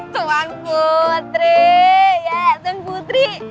tuan putri yee tuan putri